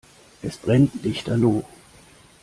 Es brennt lichterloh.